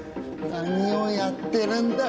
何をやってるんだ！